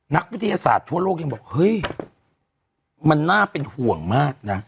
นักวิทยาศาสตร์ทั่วโลกยังบอกเฮ้ยมันน่าเป็นห่วงมากนะ